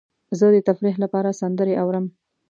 زه د تفریح لپاره سندرې اورم.